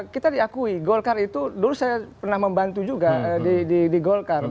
kita diakui golkar itu dulu saya pernah membantu juga di golkar